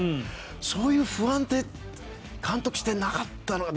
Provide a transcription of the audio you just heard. そういう不安は監督として、なかったのか。